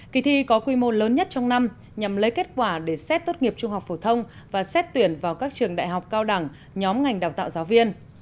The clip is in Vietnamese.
kỳ thi có quy mô lớn nhất trong năm nhằm lấy kết quả để xét tốt nghiệp trung học phổ thông và xét tuyển vào các trường đại học cao đẳng nhóm ngành đào tạo giáo viên